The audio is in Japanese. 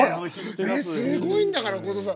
ねっすごいんだから後藤さん！